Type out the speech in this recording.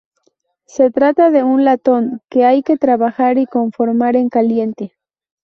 Se trata de un latón que hay que trabajar y conformar en caliente.